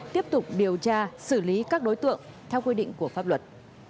tiếp tục điều tra xử lý các đối tượng theo quy định của pháp luật